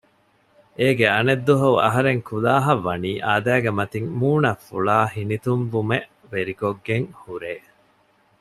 އޭގެ އަނެއް ދުވަހު އަހަރެން ކުލާހަށް ވަނީ އާދައިގެ މަތިން މޫނަށް ފުޅާ ހިނިތުންވުމެއް ވެރިކޮށްގެން ހުރޭ